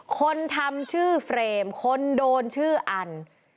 คนทำชื่อเฟรมคนโดนชื่ออัน